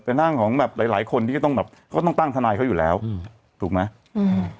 เป็นร่างของแบบหลายหลายคนที่ก็ต้องแบบเขาต้องตั้งทนายเขาอยู่แล้วอืมถูกไหมอืม